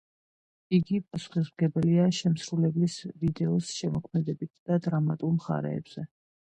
იგი პასუხისმგებელია შემსრულებლის ვიდეოს შემოქმედებით და დრამატულ მხარეებზე.